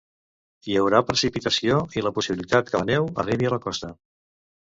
Hi haurà precipitació i la possibilitat que la neu arribi a la costa.